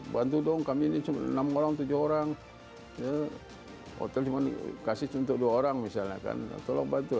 bantu dong kami ini cuma enam orang tujuh orang hotel cuma dikasih untuk dua orang misalnya kan tolong bantu